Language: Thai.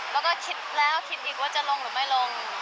แล้วก็คิดแล้วคิดอีกว่าจะลงหรือไม่ลง